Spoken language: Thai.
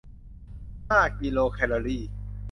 ห้ากิโลแคลอรี